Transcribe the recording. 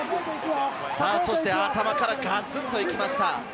頭からガツンといきました。